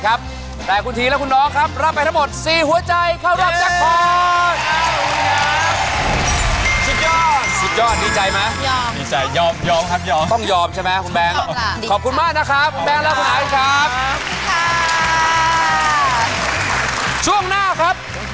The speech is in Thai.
ขึ้นตรงไปแล้วครับเบาะเต็มครับ